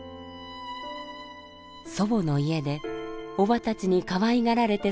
祖母の家でおばたちにかわいがられて育った馬場さん。